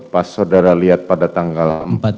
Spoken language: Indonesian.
pas saudara lihat pada tanggal empat